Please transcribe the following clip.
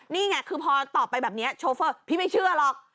นี่ไงคือพอตอบไปแบบนี้โชเฟอร์พี่ไม่เชื่อหรอก